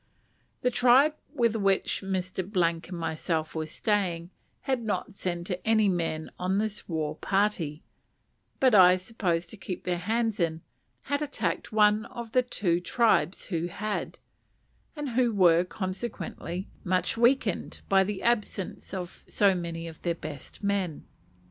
The tribe with which Mr. and myself were staying, had not sent any men on this war party; but, I suppose to keep their hands in, had attacked one of the two tribes who had, and who were, consequently, much weakened by the absence of so many of their best men.